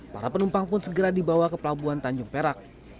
para penumpang pun segera dibawa ke pelabuhan tanjung perak